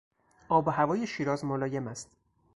آب و هوای شیراز ملایم است.